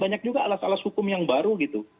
banyak juga alas alas hukum yang baru gitu